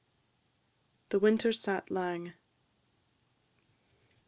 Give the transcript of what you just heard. THE WINTER SAT LANG.